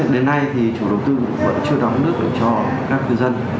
đến nay thì chủ đầu tư vẫn chưa đóng nước cho các cư dân